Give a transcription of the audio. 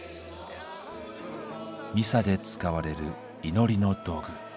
ミサで使われる祈りの道具。